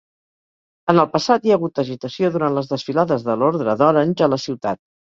En el passat, hi ha hagut agitació durant les desfilades de l'Ordre d'Orange a la ciutat.